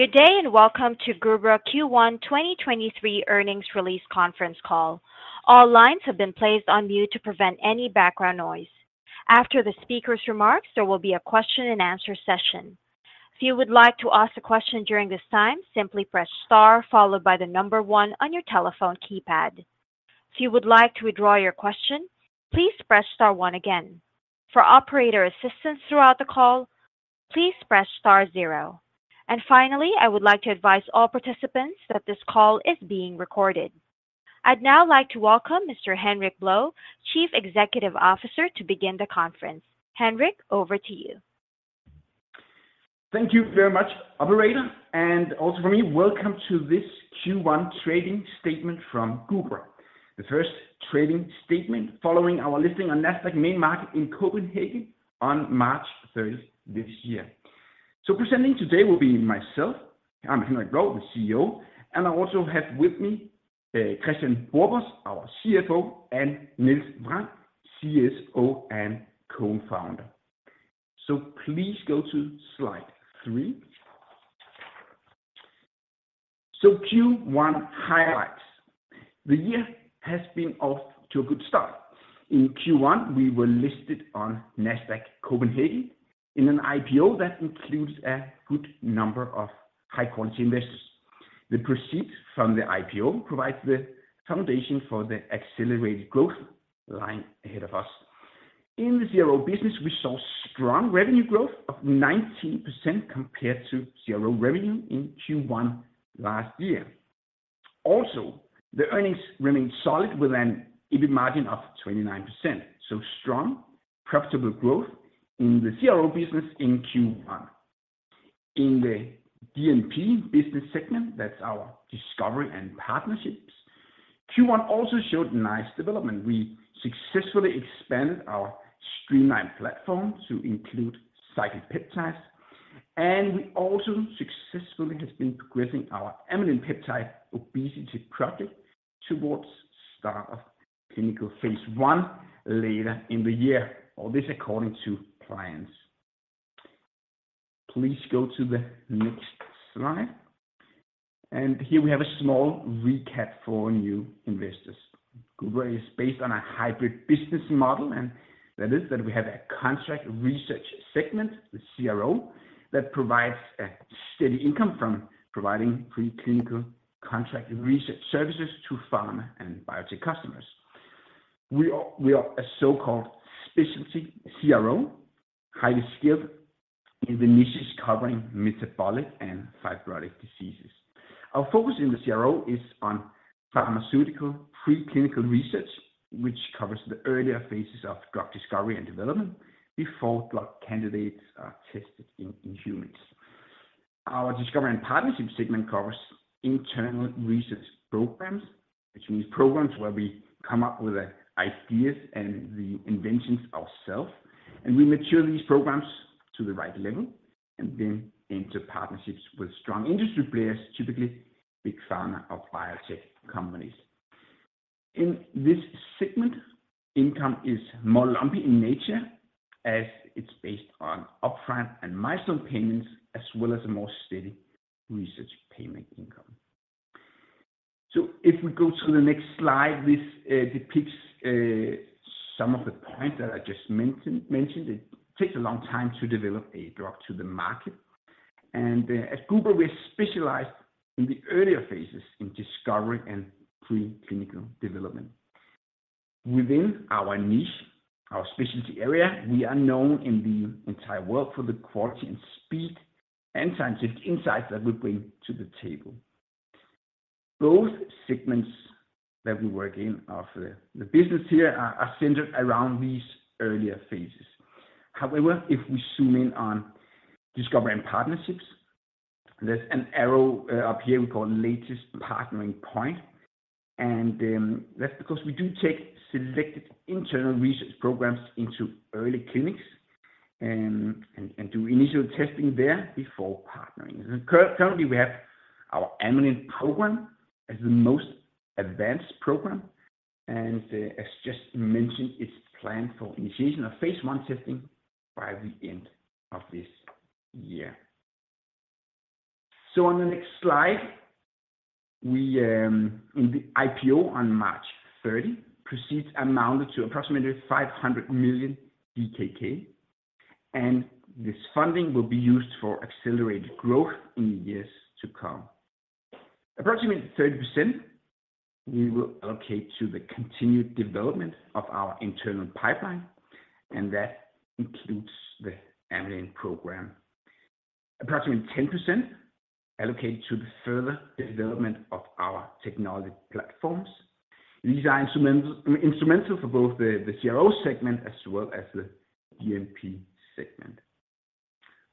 Good day, welcome to Gubra Q1 2023 earnings release conference call. All lines have been placed on mute to prevent any background noise. After the speaker's remarks, there will be a question and answer session. If you would like to ask a question during this time, simply press star followed by 1 on your telephone keypad. If you would like to withdraw your question, please press star 1 again. For operator assistance throughout the call, please press star 0. Finally, I would like to advise all participants that this call is being recorded. I'd now like to welcome Mr. Henrik Blou, Chief Executive Officer, to begin the conference. Henrik, over to you. Thank you very much, operator. Also from me, welcome to this Q1 trading statement from Gubra. The first trading statement following our listing on Nasdaq Main Market in Copenhagen on March 30 this year. Presenting today will be myself, I'm Henrik Blou, the CEO. And I also have with me, Kristian Borbos, our CFO, and Niels Vrang, CSO, and co-founder. Please go to slide 3. Q1 highlights. The year has been off to a good start. In Q1, we were listed on Nasdaq Copenhagen in an IPO that includes a good number of high-quality investors. The proceeds from the IPO provides the foundation for the accelerated growth lying ahead of us. In the CRO business, we saw strong revenue growth of 19% compared to CRO revenue in Q1 last year. Also, the earnings remained solid with an EBIT margin of 29%. Strong profitable growth in the CRO business in Q1. In the D&P business segment, that's our discovery and partnerships, Q1 also showed nice development. We successfully expanded our streaMLine platform to include cyclic peptides, and we also successfully has been progressing our Amylin peptide obesity project towards start of clinical phase 1 later in the year, all this according to plans. Please go to the next slide. Here we have a small recap for new investors. Gubra is based on a hybrid business model, and that is that we have a contract research segment, the CRO, that provides a steady income from providing pre-clinical contract research services to pharma and biotech customers. We are a so-called specialty CRO, highly skilled in the niches covering metabolic and fibrotic diseases. Our focus in the CRO is on pharmaceutical pre-clinical research, which covers the earlier phases of drug discovery and development before drug candidates are tested in humans. Our Discovery & Partnerships segment covers internal research programs, which means programs where we come up with the ideas and the inventions ourselves, and we mature these programs to the right level and then enter partnerships with strong industry players, typically big pharma or biotech companies. In this segment, income is more lumpy in nature as it's based on upfront and milestone payments, as well as a more steady research payment income. If we go to the next slide, this depicts some of the points that I just mentioned. It takes a long time to develop a drug to the market. At Gubra, we specialize in the earlier phases in discovery and pre-clinical development. Within our niche, our specialty area, we are known in the entire world for the quality and speed and scientific insights that we bring to the table. Both segments that we work in of the business here are centered around these earlier phases. However, if we zoom in on Discovery & Partnerships, there's an arrow up here we call latest partnering point. That's because we do take selected internal research programs into early clinics and do initial testing there before partnering. Currently, we have our Amylin program as the most advanced program. As just mentioned, it's planned for initiation of phase I testing by the end of this year. On the next slide, we in the IPO on March 30, proceeds amounted to approximately 500 million DKK. This funding will be used for accelerated growth in years to come. Approximately 30% we will allocate to the continued development of our internal pipeline. That includes the Amylin program. Approximately 10% allocate to the further development of our technology platforms. These are instrumental for both the CRO segment as well as the D&P segment.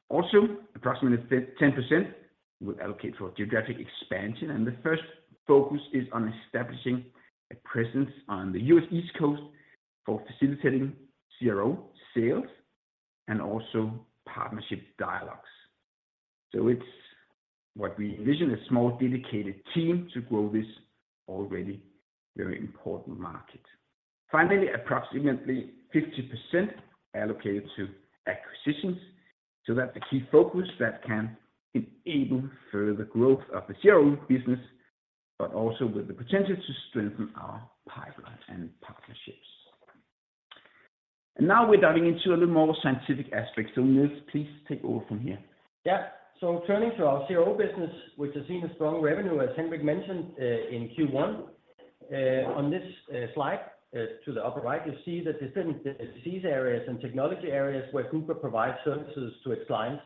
Approximately 10% will allocate for geographic expansion. The first focus is on establishing a presence on the U.S. East Coast for facilitating CRO sales and also partnership dialogues. It's what we envision a small dedicated team to grow this already very important market. Finally, approximately 50% allocated to acquisitions so that the key focus that can enable further growth of the CRO business, but also with the potential to strengthen our pipeline and partnerships. Now we're diving into a little more scientific aspects. Niels, please take over from here. Yeah. Turning to our CRO business, which has seen a strong revenue, as Henrik mentioned, in Q1. On this slide, to the upper right, you see the different disease areas and technology areas where Gubra provides services to its clients.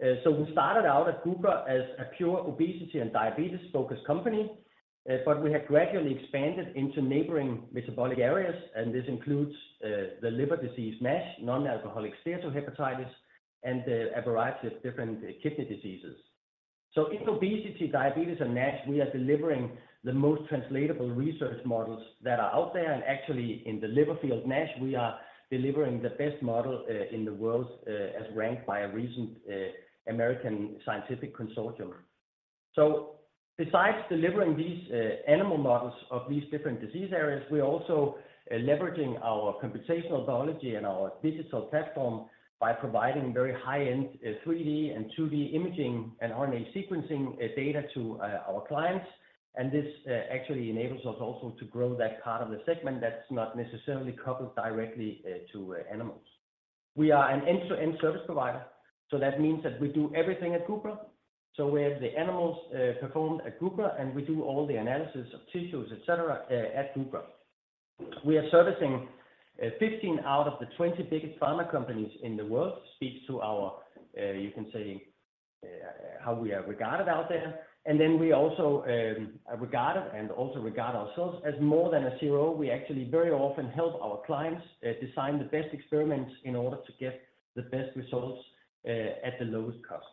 We started out at Gubra as a pure obesity and diabetes-focused company, but we have gradually expanded into neighboring metabolic areas, and this includes the liver disease NASH, non-alcoholic steatohepatitis, and a variety of different kidney diseases. In obesity, diabetes, and NASH, we are delivering the most translatable research models that are out there. Actually in the liver field, NASH, we are delivering the best model in the world, as ranked by a recent American scientific consortium. Besides delivering these animal models of these different disease areas, we're also leveraging our computational biology and our digital platform by providing very high-end 3D and 2D imaging and RNA sequencing data to our clients. This actually enables us also to grow that part of the segment that's not necessarily coupled directly to animals. We are an end-to-end service provider, so that means that we do everything at Gubra. We have the animals performed at Gubra, and we do all the analysis of tissues, et cetera, at Gubra. We are servicing 15 out of the 20 biggest pharma companies in the world, speaks to our, you can say, how we are regarded out there. We also are regarded and also regard ourselves as more than a CRO. We actually very often help our clients, design the best experiments in order to get the best results, at the lowest cost.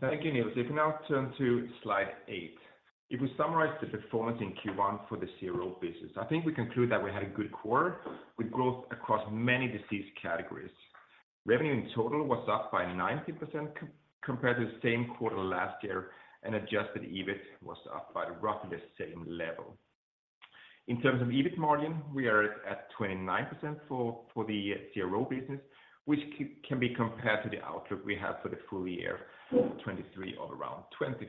Thank you, Niels. We now turn to slide 8. We summarize the performance in Q1 for the CRO business, I think we conclude that we had a good quarter with growth across many disease categories. Revenue in total was up by 19% compared to the same quarter last year, adjusted EBIT was up by roughly the same level. In terms of EBIT margin, we are at 29% for the CRO business, which can be compared to the outlook we have for the full year 2023 of around 25%.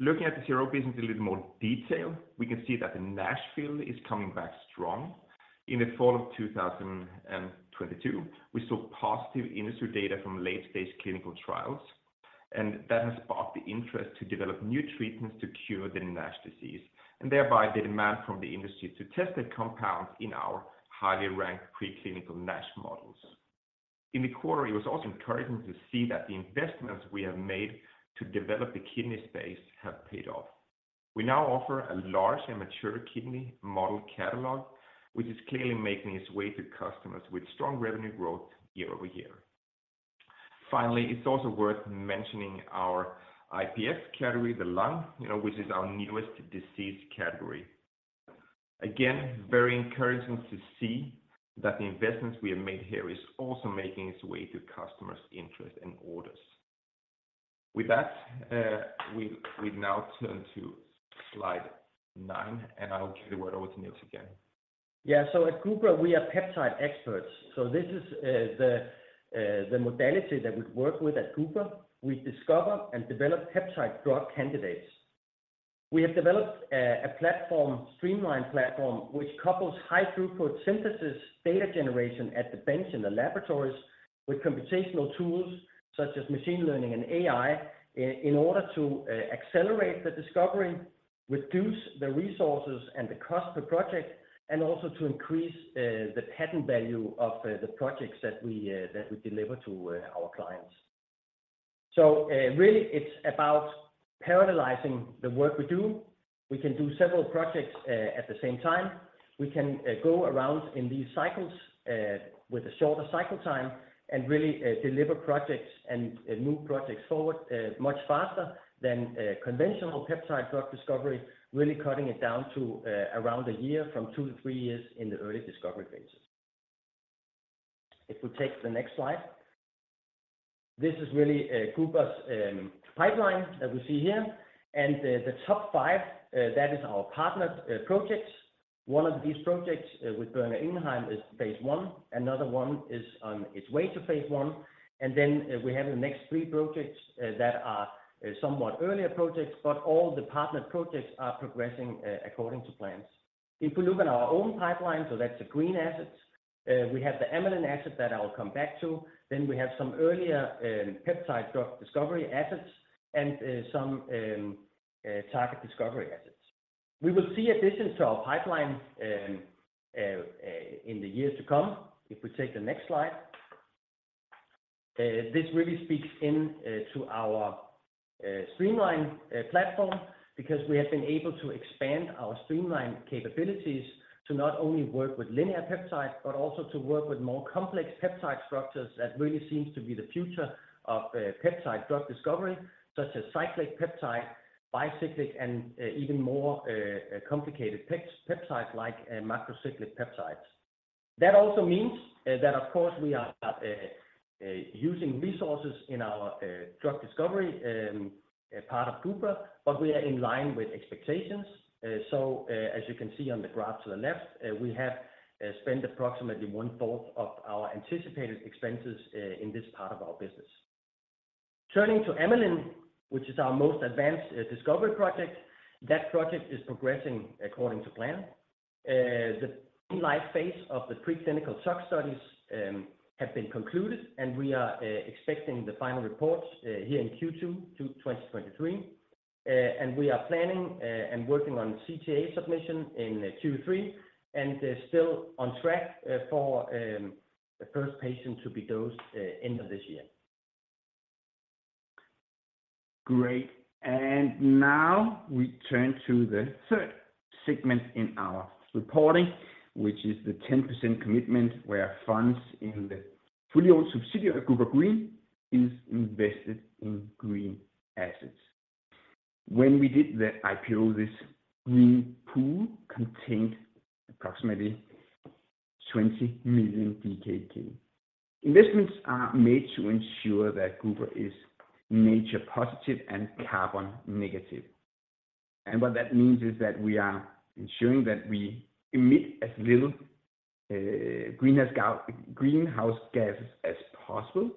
Looking at the CRO business in a little more detail, we can see that the NASH field is coming back strong. In the fall of 2022, we saw positive industry data from late-stage clinical trials, that has sparked the interest to develop new treatments to cure the NASH disease and thereby the demand from the industry to test the compounds in our highly ranked preclinical NASH models. In the quarter, it was also encouraging to see that the investments we have made to develop the kidney space have paid off. We now offer a large and mature kidney model catalog, which is clearly making its way to customers with strong revenue growth year-over-year. It's also worth mentioning our IPF category, the lung, you know, which is our newest disease category. Very encouraging to see that the investments we have made here is also making its way to customers' interest and orders. With that, we now turn to slide 9, and I will give the word over to Niels again. Yeah. At Gubra, we are peptide experts. This is the modality that we work with at Gubra. We discover and develop peptide drug candidates. We have developed a streaMLine platform, which couples high-throughput synthesis data generation at the bench in the laboratories with computational tools such as machine learning and AI in order to accelerate the discovery, reduce the resources and the cost per project, and also to increase the patent value of the projects that we deliver to our clients. Really it's about parallelizing the work we do. We can do several projects at the same time. We can go around in these cycles with a shorter cycle time and really deliver projects and move projects forward much faster than conventional peptide drug discovery, really cutting it down to around a year from 2-3 years in the early discovery phases. If we take the next slide. This is really Gubra's pipeline that we see here. The top 5 that is our partnered projects. One of these projects with Boehringer Ingelheim is phase I. Another one is on its way to phase I. We have the next 3 projects that are somewhat earlier projects, but all the partnered projects are progressing according to plans. If we look at our own pipeline, so that's the green assets, we have the Amylin asset that I will come back to. We have some earlier, peptide drug discovery assets and, some, target discovery assets. We will see additions to our pipeline, in the years to come. If we take the next slide. This really speaks in, to our, streaMLine platform because we have been able to expand our streaMLine capabilities to not only work with linear peptides, but also to work with more complex peptide structures that really seems to be the future of, peptide drug discovery, such as cyclic peptide, bicyclic, and, even more, complicated peptides like, macrocyclic peptides. That also means that of course we are using resources in our drug discovery part of Gubra, but we are in line with expectations. As you can see on the graph to the left, we have spent approximately one-fourth of our anticipated expenses in this part of our business. Turning to Amylin, which is our most advanced discovery project, that project is progressing according to plan. The life phase of the preclinical tox studies have been concluded, and we are expecting the final reports here in Q2 2023. We are planning and working on CTA submission in Q3, and still on track for the first patient to be dosed end of this year. Great. Now we turn to the third segment in our reporting, which is the 10% commitment where funds in the fully owned subsidiary of Gubra Green is invested in green assets. When we did the IPO, this green pool contained approximately 20 million DKK. Investments are made to ensure that Gubra is nature positive and carbon negative. What that means is that we are ensuring that we emit as little greenhouse gas as possible,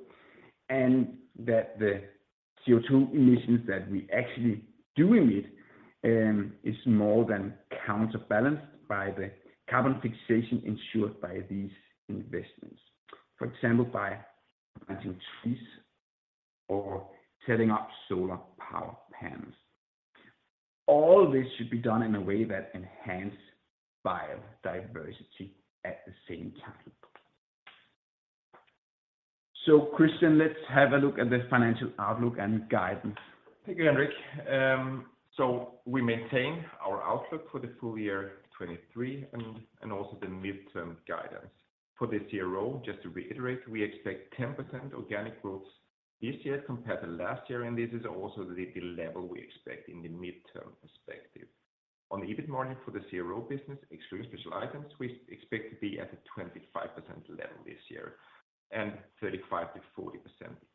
and that the CO2 emissions that we actually do emit is more than counterbalanced by the carbon fixation ensured by these investments. For example, by planting trees or setting up solar power panels. All this should be done in a way that enhance biodiversity at the same time. Kristian, let's have a look at the financial outlook and guidance. Thank you, Henrik. We maintain our outlook for the full year 2023 and also the midterm guidance. For the CRO, just to reiterate, we expect 10% organic growth this year compared to last year, and this is also the level we expect in the midterm perspective. On the EBIT margin for the CRO business, extreme special items, we expect to be at a 25% level this year and 35%-40%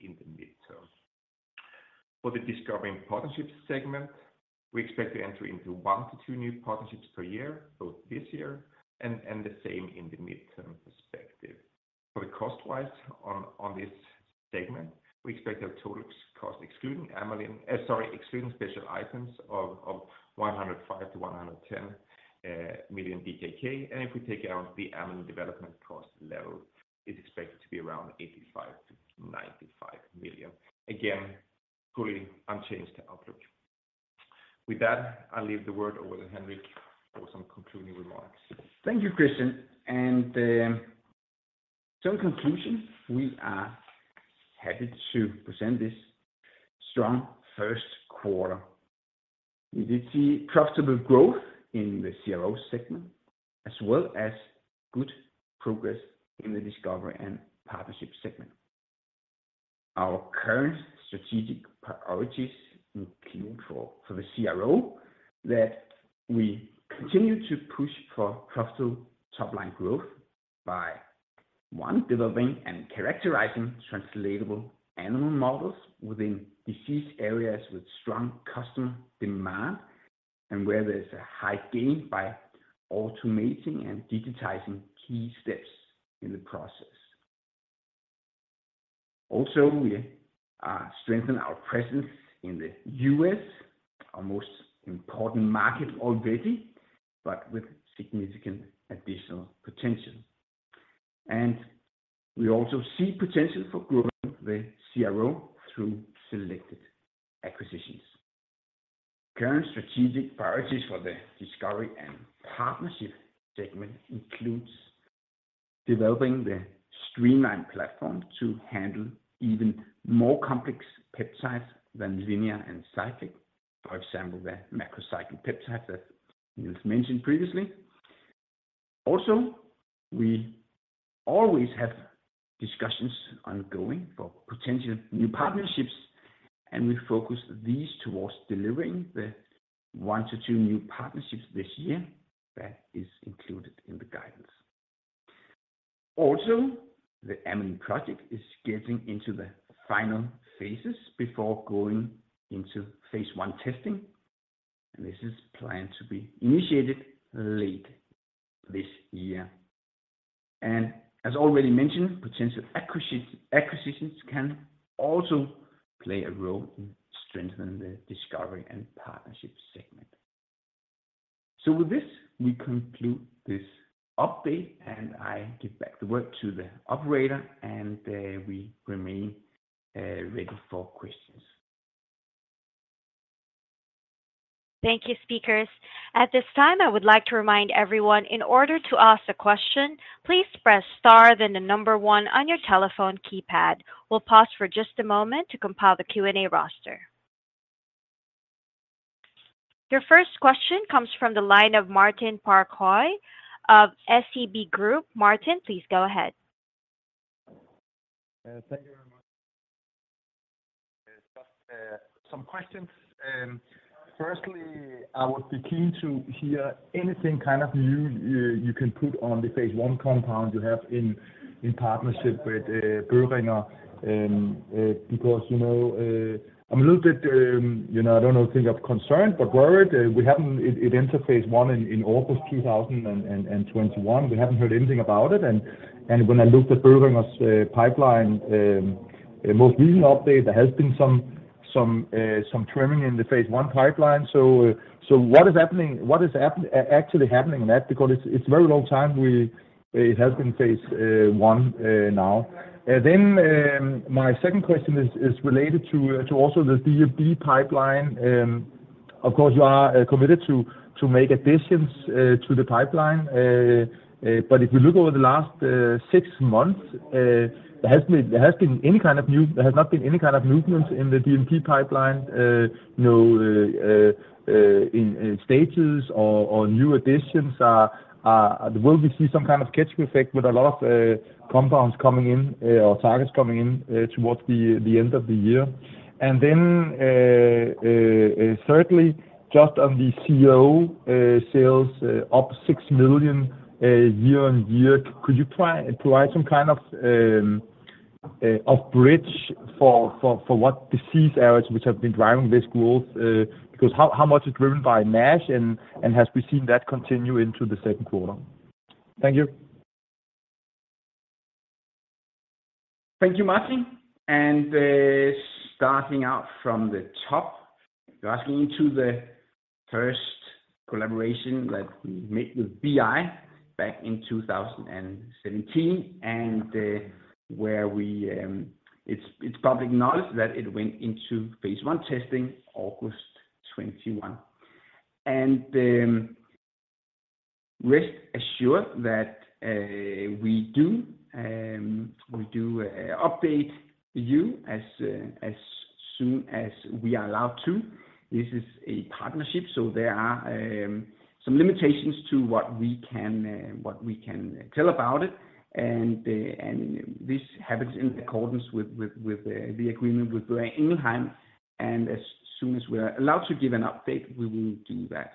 in the midterm. For the Discovery & Partnerships segment, we expect to enter into 1-2 new partnerships per year, both this year and the same in the midterm perspective. For the cost-wise on this segment, we expect our total cost excluding special items of 105 million-110 million DKK. If we take out the Amylin development cost level, it's expected to be around 85 million-95 million. Again, fully unchanged outlook. With that, I leave the word over to Henrik for some concluding remarks. Thank you, Kristian and. In conclusion, we are happy to present this strong first quarter. We did see profitable growth in the CRO segment, as well as good progress in the Discovery and Partnerships segment. Our current strategic priorities include for the CRO that we continue to push for profitable top-line growth by 1, developing and characterizing translatable animal models within disease areas with strong customer demand and where there's a high gain by automating and digitizing key steps in the process. We are strengthening our presence in the U.S., our most important market already, but with significant additional potential. We also see potential for growing the CRO through selected acquisitions. Current strategic priorities for the Discovery and Partnerships segment includes developing the streaMLine platform to handle even more complex peptides than linear and cyclic. For example, the macrocyclic peptides that Niels mentioned previously. We always have discussions ongoing for potential new partnerships, and we focus these towards delivering the 1 to 2 new partnerships this year that is included in the guidance. The Amylin project is getting into the final phases before going into phase I testing, this is planned to be initiated late this year. As already mentioned, potential acquisitions can also play a role in strengthening the Discovery and Partnerships segment. With this, we conclude this update, I give back the word to the operator, we remain ready for questions. Thank you, speakers. At this time, I would like to remind everyone in order to ask a question, please press star then the 1 on your telephone keypad. We'll pause for just a moment to compile the Q&A roster. Your first question comes from the line of Martin Parkhøi of SEB Group. Martin, please go ahead. Thank you very much. Questions. Firstly, I would be keen to hear anything kind of new you can put on the phase I compound you have in partnership with Boehringer. Because, you know, I'm a little bit, you know, concerned but worried. It entered phase I in August 2021. We haven't heard anything about it. When I looked at Boehringer's pipeline, most recent update, there has been some trimming in the phase I pipeline. What is actually happening in that? Because it's very long time. It has been phase I now. My second question is related to also the D&P pipeline. Of course, you are committed to make additions to the pipeline. If you look over the last six months, there has not been any kind of movement in the D&P pipeline, you know, in stages or new additions. Will we see some kind of catch-up effect with a lot of compounds coming in, or targets coming in, towards the end of the year? Thirdly, just on the CRO, sales up 6 million year-on-year. Could you provide some kind of bridge for what disease areas which have been driving this growth? How much is driven by NASH, and have we seen that continue into the second quarter? Thank you. Thank you, Martin. Starting out from the top, you're asking into the first collaboration that we made with BI back in 2017. It's public knowledge that it went into phase I testing August 2021. Rest assured that we do update you as soon as we are allowed to. This is a partnership, so there are some limitations to what we can tell about it. This happens in accordance with the agreement with Boehringer Ingelheim. As soon as we are allowed to give an update, we will do that.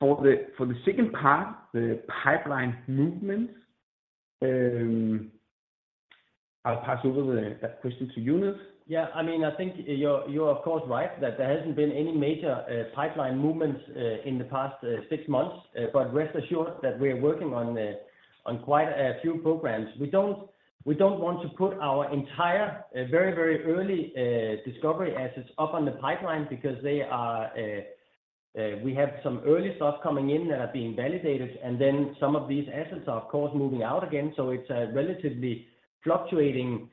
For the second part, the pipeline movements, I'll pass over that question to you, Niels. Yeah. I mean, I think you're of course right that there hasn't been any major pipeline movements in the past six months. But rest assured that we are working on quite a few programs. We don't want to put our entire very early discovery assets up on the pipeline because they are, we have some early stuff coming in that are being validated, and then some of these assets are of course moving out again. It's a relatively fluctuating,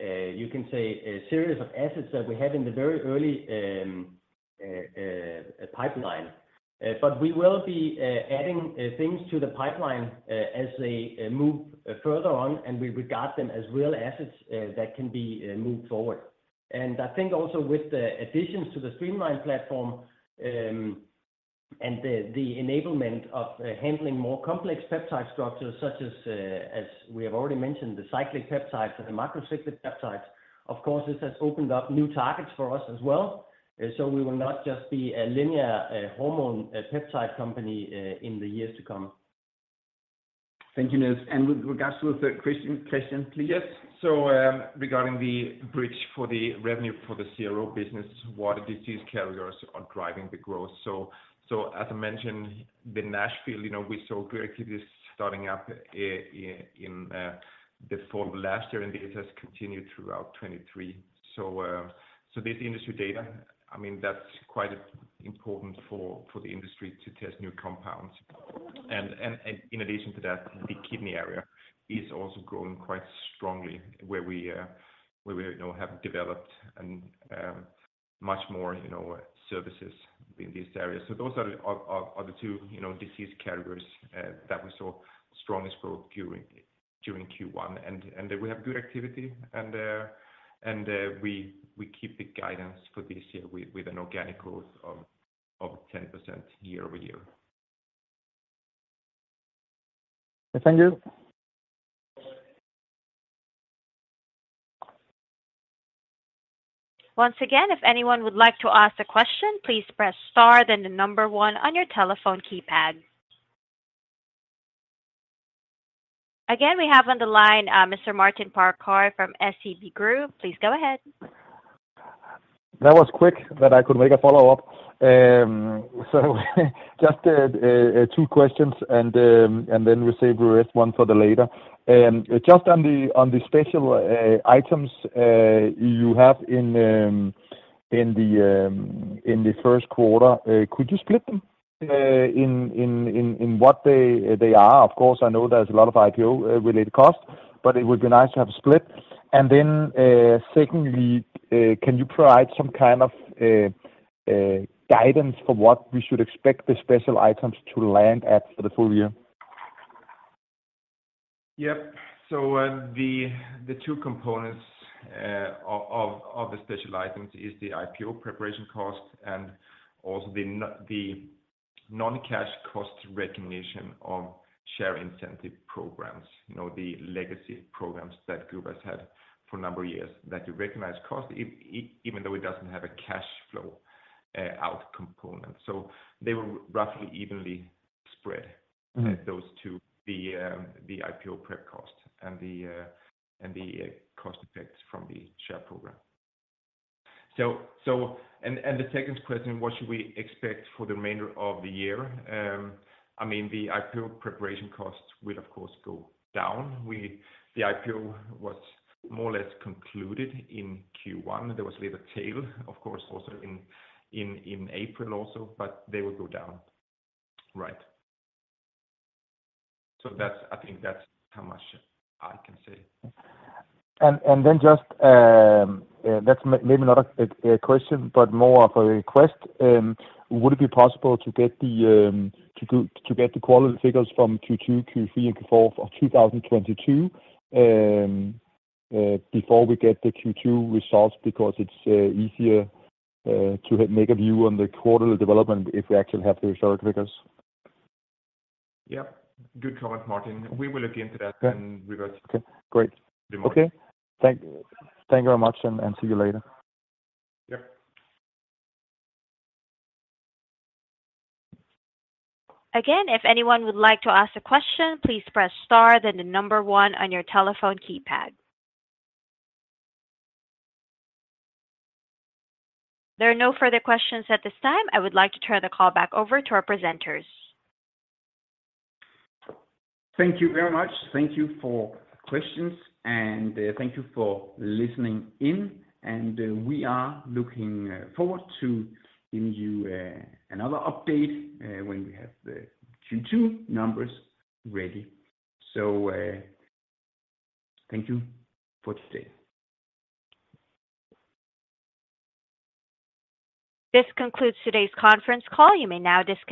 you can say, a series of assets that we have in the very early pipeline. We will be adding things to the pipeline as they move further on, and we regard them as real assets that can be moved forward. I think also with the additions to the streaMLine platform, and the enablement of handling more complex peptide structures such as we have already mentioned, the cyclic peptides and the macrocyclic peptides, of course, this has opened up new targets for us as well. We will not just be a linear hormone peptide company in the years to come. Thank you, Niels. With regards to the third question, Kristian, please. Yes. Regarding the bridge for the revenue for the CRO business, what disease carriers are driving the growth? As I mentioned, the NASH field, you know, we saw good activities starting up in the 4th of last year, and this has continued throughout 2023. This industry data, I mean, that's quite important for the industry to test new compounds. In addition to that, the kidney area is also growing quite strongly where we, where we, you know, have developed much more, you know, services in this area. Those are the two, you know, disease carriers that we saw strongest growth during Q1. We have good activity and we keep the guidance for this year with an organic growth of 10% year-over-year. Yes, thank you. Once again, if anyone would like to ask a question, please press star then the number one on your telephone keypad. Again, we have on the line, Mr. Martin Parkhøi from SEB Group. Please go ahead. That was quick that I could make a follow-up. Just two questions and then we save the rest one for the later. Just on the special items you have in the first quarter, could you split them in what they are? Of course, I know there's a lot of IPO related costs, but it would be nice to have a split. Secondly, can you provide some kind of guidance for what we should expect the special items to land at for the full year? Yep. The two components of the special items is the IPO preparation cost and also the non-cash cost recognition of share incentive programs. You know, the legacy programs that Gubra had for a number of years that you recognize cost even though it doesn't have a cash flow out component. They were roughly evenly spread. Mm-hmm. Those two, the IPO prep cost and the cost effects from the share program. The second question, what should we expect for the remainder of the year? I mean, the IPO preparation costs will of course go down. The IPO was more or less concluded in Q1. There was a little tail, of course, also in April also, but they will go down. Right. That's I think that's how much I can say. Just that's maybe not a question, but more of a request. Would it be possible to get the to get the quarterly figures from Q2, Q3, and Q4 of 2022 before we get the Q2 results? Because it's easier to make a view on the quarterly development if we actually have the historic figures. Yeah. Good comment, Martin. We will look into that. Okay. Revert. Okay. Great. Tomorrow. Okay. Thank you very much, and see you later. Yep. Again, if anyone would like to ask a question, please press star then the 1 on your telephone keypad. There are no further questions at this time. I would like to turn the call back over to our presenters. Thank you very much. Thank you for questions and thank you for listening in. We are looking forward to giving you another update when we have the Q2 numbers ready. Thank you for today. This concludes today's conference call. You may now disconnect.